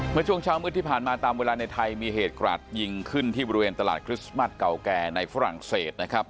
เมื่อช่วงเช้ามืดที่ผ่านมาตามเวลาในไทยมีเหตุกราดยิงขึ้นที่บริเวณตลาดคริสต์มัสเก่าแก่ในฝรั่งเศสนะครับ